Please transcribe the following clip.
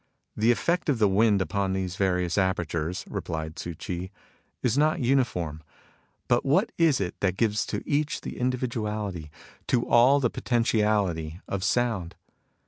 " The effect of the wind upon these various apertures," replied Tzii Ch'i, " is not uniform. But what is it that gives to each the individuality, to all the potentiality, of sound